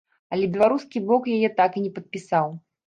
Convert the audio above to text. Але беларускі бок яе так і не падпісаў.